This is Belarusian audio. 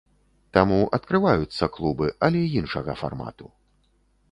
Таму адкрываюцца клубы, але іншага фармату.